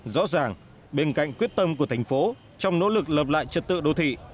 rõ ràng bên cạnh quyết tâm của thành phố trong nỗ lực lập lại trật tự đô thị